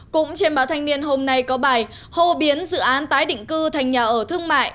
cũng trên báo thanh niên hôm nay có bài hô biến dự án tái định cư thành nhà ở thương mại